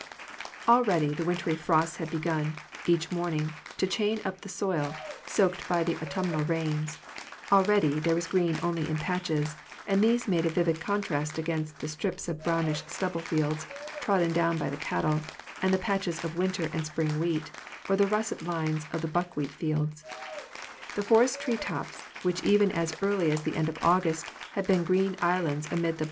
Alrbadt the wintry frosts had begun, each morning, to chain up the soil, soaked by the autumnal rains ; already there was green only in patches, and these made a vivid contrast against the strips of brownish stubble iields, trodden down by the cattle, and the patches of winter or spring wheat, or the russet lines of the buckwheat fields. The forest tree tops, which even as early as the end of August had been green islands amid the